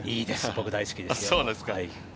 僕、大好きです。